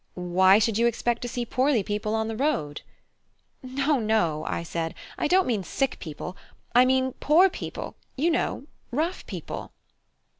Why should you expect to see poorly people on the road?" "No, no," I said; "I don't mean sick people. I mean poor people, you know; rough people."